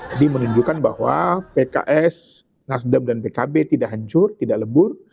jadi menunjukkan bahwa pks nasdem dan pkb tidak hancur tidak lebur